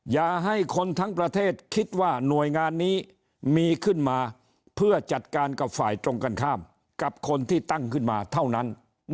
อย่าให้คนทั้งประเทศคิดว่าหน่วยงานนี้มีขึ้นมาเพื่อจัดการกับฝ่ายตรงกันข้ามกับคนที่ตั้งขึ้นมาเท่านั้น